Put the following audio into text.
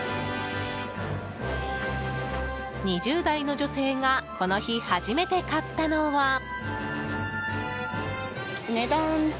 ２０代の女性がこの日、初めて買ったのは。